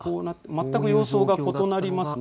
全く様相が異なりますね。